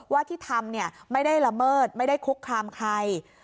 ว่าที่ทำไม่ได้ละเมิดไม่ได้คุกคามใคร